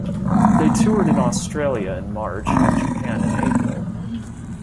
They toured in Australia in March and Japan in April.